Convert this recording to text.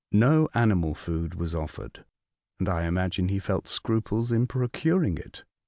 No animal food was offered, and I imagine he felt scruples in procuring it.